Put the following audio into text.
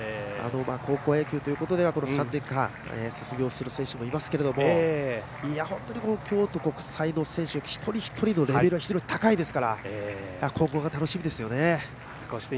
高校野球ということではこの３年間、卒業する選手もいますけれども本当に京都国際の選手一人一人のレベルが非常に高いですから今後が楽しみですね。